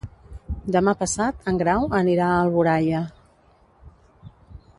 Demà passat en Grau anirà a Alboraia.